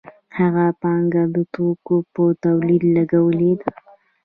هغه پانګه د توکو په تولید لګولې ده